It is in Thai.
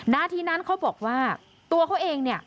ณทีนั้นเขาบอกว่าตัวเขาเอง